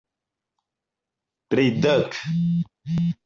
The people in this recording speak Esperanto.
tridek